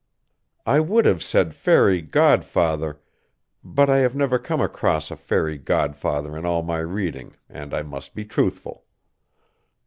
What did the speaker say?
I would have said fairy godfather, but I have never come across a fairy godfather in all my reading, and I must be truthful.